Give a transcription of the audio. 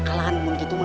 kalahkan pun gitu man